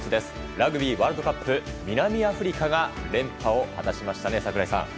ラグビーワールドカップ南アフリカが連覇を果たしましたね、櫻井さん。